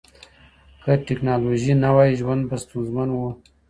که ټکنالوژي نه وای، ژوند به ستونزمن و.